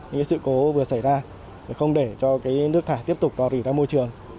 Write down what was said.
những sự cố vừa xảy ra không để nước thải tiếp tục dò dỉ ra môi trường